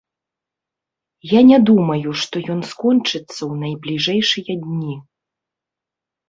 Я не думаю, што ён скончыцца ў найбліжэйшыя дні.